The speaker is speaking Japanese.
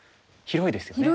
広いですね。